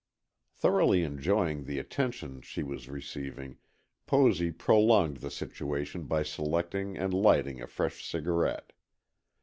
Thoroughly enjoying the attention she was receiving, Posy prolonged the situation by selecting and lighting a fresh cigarette.